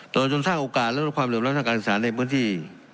ตัวชนสร้างโอกาสและดีกว่าความเริ่มรับไปการศึกษาในเมื้อนที่